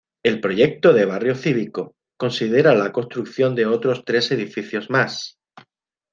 El proyecto de Barrio Cívico considera la construcción de otros tres edificios más.